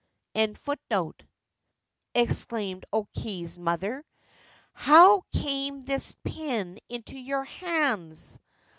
' l exclaimed O Kei's mother. * How came this pin into your hands